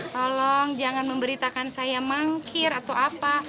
tolong jangan memberitakan saya mangkir atau apa